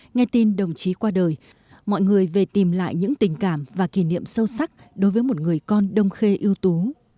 nghe tin đồng chí qua đời mọi người về tìm lại những tình cảm và kỷ niệm sâu sắc đối với một người con đông khê ưu tú